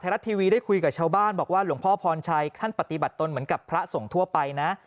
รัฐทีวีได้คุยกับชาวบ้านบอกว่าหลวงพ่อพรชัยท่านปฏิบัติตนเหมือนกับพระสงฆ์ทั่วไปนะ